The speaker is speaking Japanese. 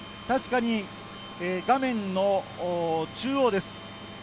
確かに、画面の中央です。